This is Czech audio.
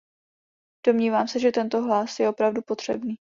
Domnívám se, že tento hlas je opravdu potřebný.